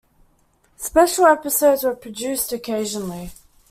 Special episodes were produced occasionally.